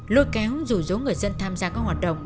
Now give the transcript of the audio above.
lôi kéo dù dố người dân tham gia các hoạt động